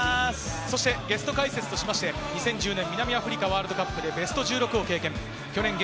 そしてゲスト解説としまして２０１０年、南アフリカワールドカップでベスト１６を経験。